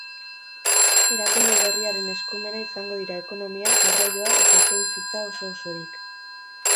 Erakunde berriaren eskumena izango dira ekonomia, garraioa eta etxebizitza oso osorik.